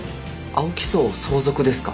青木荘を相続ですか？